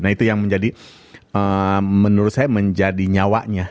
nah itu yang menjadi menurut saya menjadi nyawanya